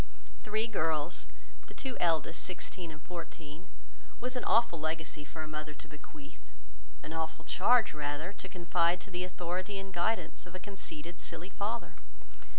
—Three girls, the two eldest sixteen and fourteen, was an awful legacy for a mother to bequeath, an awful charge rather, to confide to the authority and guidance of a conceited, silly father.